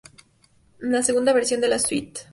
Es la segunda versión de la suite.